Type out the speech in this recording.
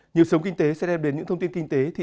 nhiều sống kinh tế sẽ đem đến những thông tin kinh tế